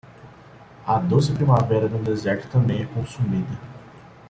A doce primavera no deserto também é consumida